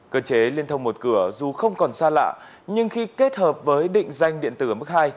cơ chế liên thông một cửa dù không còn xa lạ nhưng khi kết hợp với định danh điện tử ở mức hai